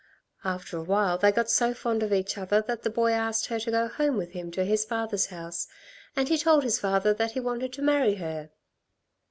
After a while they got so fond of each other that the boy asked her to go home with him to his father's house, and he told his father that he wanted to marry her.